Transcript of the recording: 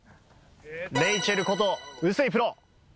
レイチェルこと臼井プロ。